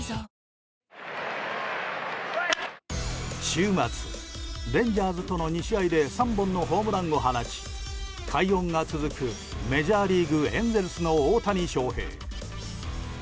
週末、レンジャーズとの２試合で３本のホームランを放ち快音が続くメジャーリーグ、エンゼルスの大谷翔平。